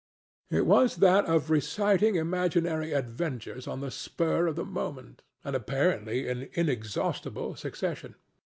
It was that of reciting imaginary adventures on the spur of the moment, and apparently in inexhaustible succession.